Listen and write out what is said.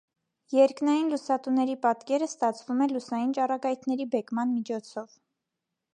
Երկնային լուսատուների պատկերն ստացվում է լուսային ճառագայթների բեկման միջոցով։